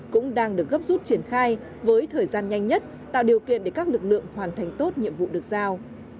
cũng đang được gấp rút triển khai với thời gian nhanh nhất tạo điều kiện để các lực lượng hoàn thành tốt nhiệm vụ được giao